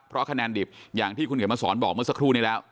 เพราะคะแนนดิบอย่างที่คุณเขียนมาสอนบอกเมื่อสักครู่นี้แล้ว